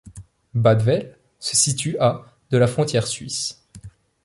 Badevel se situe à de la frontière suisse.